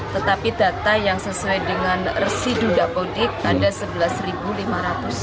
tetapi data yang sesuai dengan residu dapodik ada sebelas lima ratus